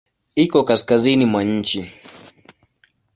Iko kaskazini mwa nchi.